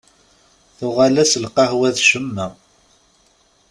Tuɣal-as lqahwa d ccemma.